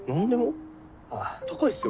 高いっすよ